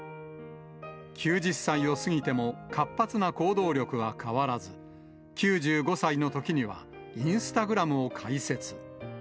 ９０歳を過ぎても活発な行動力は変わらず、９５歳のときにはインスタグラムを開設。